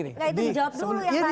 itu dijawab dulu ya tadi